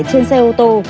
trên xe ô tô